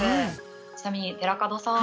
ちなみに寺門さん。